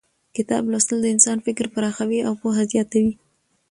کتاب لوستل د انسان فکر پراخوي او پوهه زیاتوي